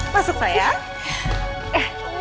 mas amsel apa kabar